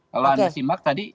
kalau anda simak tadi